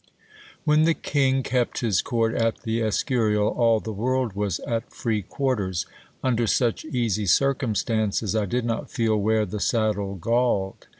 When the king kept his court at the Escurial, all the world was at free quarters: under such easy circumstances I did not feel where the saddle galled.